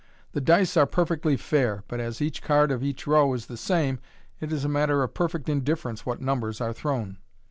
The dice are perfectly fair, but as each card MODERN MAGIC. of each row is the same, it is a matter of perfect indifference what numbers are thrown.